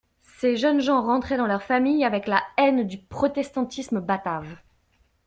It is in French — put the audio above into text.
Ces jeunes gens rentraient dans leurs familles avec la haine du protestantisme batave.